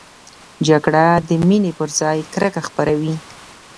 جګړه د مینې پر ځای کرکه خپروي